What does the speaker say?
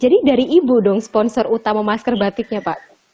jadi dari ibu dong sponsor utama masker batiknya pak